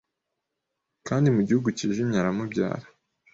Kandi mu Gihugu cyijimye aramubyara